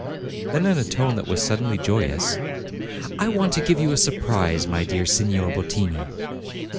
Then in a tone that was suddenly joyous, "I want to give you a surprise, my dear Signor Bottini."